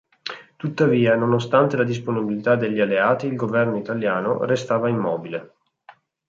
Tuttavia, nonostante la disponibilità degli alleati, il governo italiano, restava immobile.